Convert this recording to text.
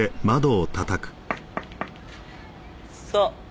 そう。